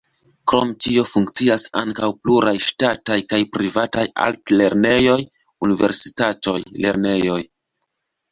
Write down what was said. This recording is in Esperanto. Krom tio funkcias ankaŭ pluaj ŝtataj kaj privataj altlernejoj, universitatoj, lernejoj.